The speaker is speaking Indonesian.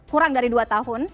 kurang dari dua tahun